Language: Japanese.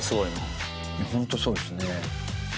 ホントそうですね。